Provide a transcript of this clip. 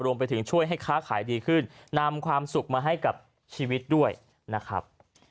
ช่วยให้ค้าขายดีขึ้นนำความสุขมาให้กับชีวิตด้วยนะครับ